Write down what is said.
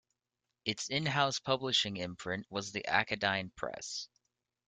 Its in-house publishing imprint was the Akadine Press.